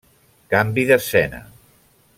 Canvi d'escena.